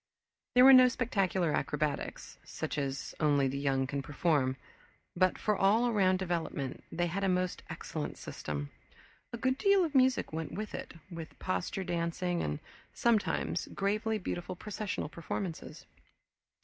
There were no spectacular acrobatics, such as only the young can perform, but for all around development they had a most excellent system. A good deal of music went with it, with posture dancing and, sometimes, gravely beautiful processional performances.